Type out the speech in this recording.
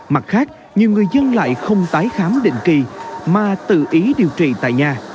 mặt khác nhiều người dân lại không tái khám định kỳ mà tự ý điều trị tại nhà